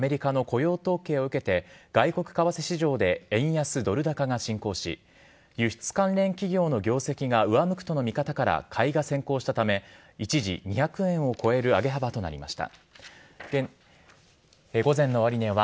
週明けの東京株式市場は、先週末に発表された３月のアメリカの雇用統計を受けて、外国為替市場で円安ドル高が進行し、輸出関連企業の業績が上向くとの見方から買いが先行したため、一時２００円を超える上げ幅となりました。